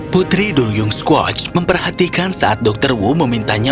putri duyung squatch memperhatikan saat dokter wu memintanya